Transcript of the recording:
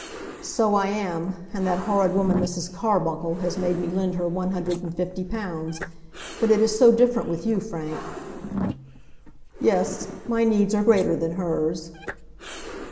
"So I am; and that horrid woman, Mrs. Carbuncle, has made me lend her one hundred and fifty pounds. But it is so different with you, Frank." "Yes; my needs are greater than hers."